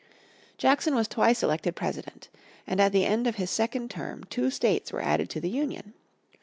Jackson was twice elected President. And at the end of his second term two states were added to the Union.